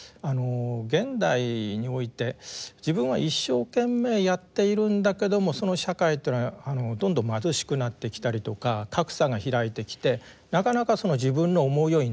現代において自分は一生懸命やっているんだけどもその社会というのはどんどん貧しくなってきたりとか格差が開いてきてなかなか自分の思うようにならない。